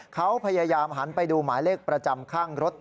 เขาพยายามหันไปดูหมายเลขประจำข้างรถ